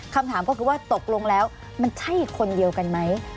คำถามก็คือว่าตกลงแล้วมันใช่คนเดียวกันไหม